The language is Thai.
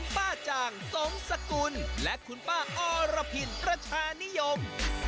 ป้าจางสมสกุลและคุณป้าอรพินประชานิยม